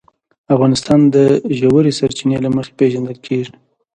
افغانستان د ژورې سرچینې له مخې پېژندل کېږي.